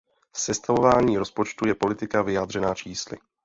Sestavování rozpočtu je politika vyjádřená čísly.